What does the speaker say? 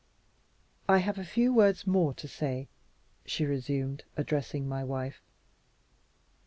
"I have a few words more to say," she resumed, addressing my wife.